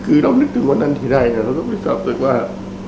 คือเนื้อถึงว่านั้นทีใดเราก็ทำซึ่งว่า